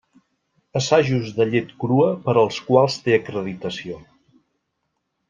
Assajos de llet crua per als quals té acreditació.